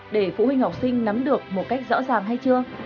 để phụ huynh học sinh nắm được một cách rõ ràng hay chưa